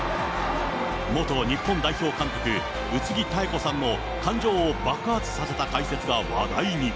元日本代表監督、宇津木妙子さんの感情を爆発させた解説が話題に。